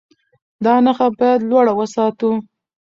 دا نښه باید لوړه وساتو.